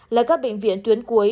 là các bệnh viện tuyến cuối